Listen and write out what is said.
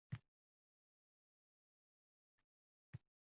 Samolyotda oq tanli bir ayol habash erkak bilan yonma-yon oʻtirib qoldi.